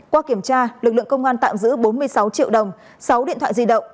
qua kiểm tra lực lượng công an tạm giữ bốn mươi sáu triệu đồng sáu điện thoại di động